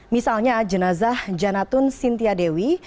misalnya jenazah janatun sintiadewi